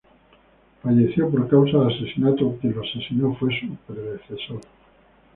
Falleció por causa de Asesinato quien lo asesino fue su predecesor.